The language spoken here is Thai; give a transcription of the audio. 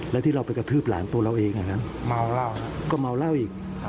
แล้วที่เราไปกระทืบหลานตัวเราเองน่ะครับเมาเหล้าครับก็เมาเหล้าอีกครับ